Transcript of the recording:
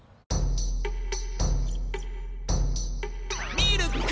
ミルク！